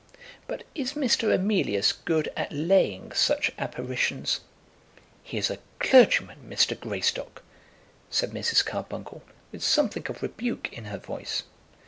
But is Mr. Emilius good at laying such apparitions?" "He is a clergyman, Mr. Greystock," said Mrs. Carbuncle, with something of rebuke in her voice.